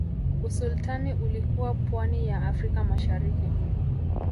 Usultani ulikuwa pwani ya afrika mashariki